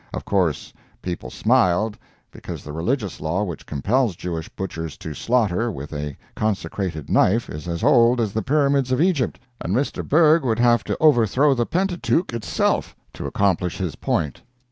Of course, people smiled, because the religious law which compels Jewish butchers to slaughter with a consecrated knife is as old as the Pyramids of Egypt, and Mr. Bergh would have to overthrow the Pentateuch itself to accomplish his point.